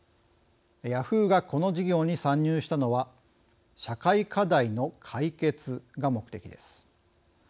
ヤフーがこの事業に参入したのは社会課題の解決が目的です。